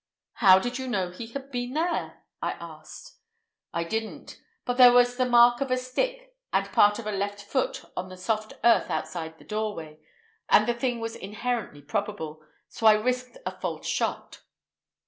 "How did you know he had been there?" I asked. "I didn't; but there was the mark of a stick and part of a left foot on the soft earth inside the doorway, and the thing was inherently probable, so I risked a false shot."